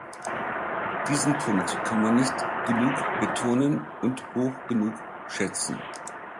Diesen Punkt kann man nicht genug betonen und hoch genug schätzen.